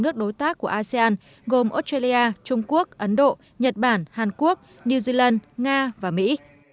ba nước đối tác của asean gồm australia trung quốc ấn độ nhật bản hàn quốc new zealand nga và mỹ